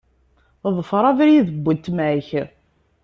Ḍfeṛ abrid n weltma-k.